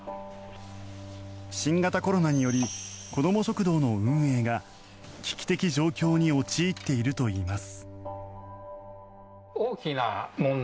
新型コロナにより子ども食堂の運営が危機的状況に陥っているといいます。